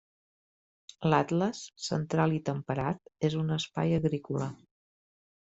L'Atles, central i temperat, és un espai agrícola.